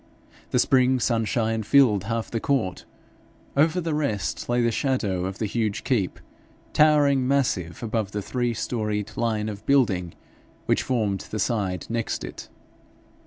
The spring sunshine filled half the court; over the rest lay the shadow of the huge keep, towering massive above the three storied line of building which formed the side next it.